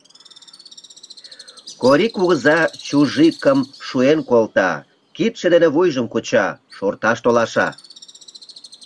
Корий кугыза чужикым шуэн колта, кидше дене вуйжым куча, шорташ толаша.